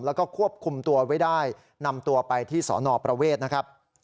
แล้วก็ควบคุมตัวไว้ได้นำตัวไปที่สนประเวทนะครับ